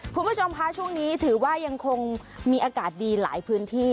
คุณผู้ชมคะช่วงนี้ถือว่ายังคงมีอากาศดีหลายพื้นที่